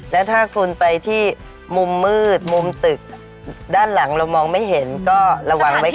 แล้วถ้าคุณไปที่มุมมืดมุมตึกด้านหลังเรามองไม่เห็นก็ระวังไว้ก่อน